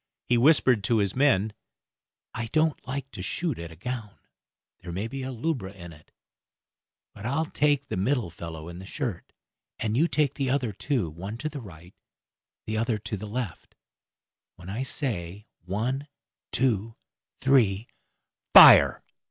He whispered to his men, "I don't like to shoot at a gown; there may be a lubra in it, but I'll take the middle fellow in the shirt, and you take the other two, one to the right, the other to the left; when I say one, two, three, fire."